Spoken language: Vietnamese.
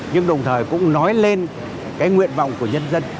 nhưng đồng thời cũng nói lên cái nguyện vọng của nhân dân